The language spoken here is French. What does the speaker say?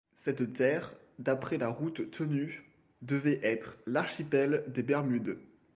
Cette terre, d’après la route tenue, devait être l’archipel des Bermudes.